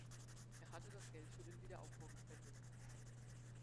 Er hatte das Geld für den Wiederaufbau gespendet.